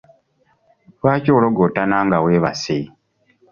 Lwaki ologootana nga weebase?